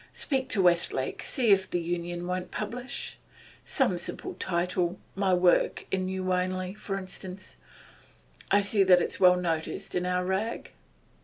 Speak to Westlake see if the Union won't publish. Some simple title: "My Work in New Wanley," for instance. I'll see that it's well noticed in our rag.